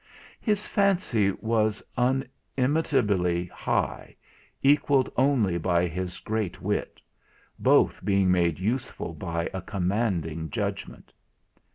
His fancy was unimitably high, equalled only by his great wit; both being made useful by a commanding judgment.